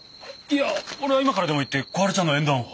いや俺は今からでも行って小春ちゃんの縁談を。